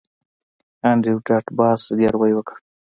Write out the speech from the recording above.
انډریو ډاټ باس زګیروی وکړ